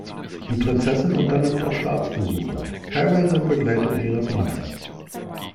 Die Prinzessin unternimmt auch Staatsbesuche, teilweise in Begleitung ihres Mannes.